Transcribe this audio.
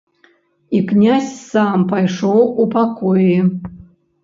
І князь сам пайшоў у пакоі.